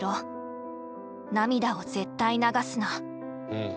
うん。